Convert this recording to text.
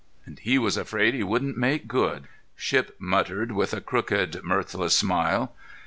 "And he was afraid he wouldn't make good!" Shipp muttered, with a crooked, mirthless smile.